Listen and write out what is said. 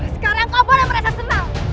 sekarang kau pun yang merasa senang